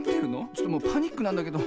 ちょっともうパニックなんだけど。